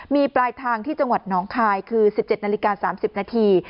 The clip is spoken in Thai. มีปลายทางที่จังหวัดน้องคายคือ๑๗นาฬิกา๓๐นาที